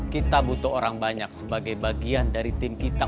kita butuh orang banyak sebagai bagian dari tim kita